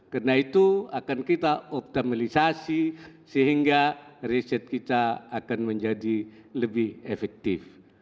karena itu akan kita optimalisasi sehingga riset kita akan menjadi lebih efektif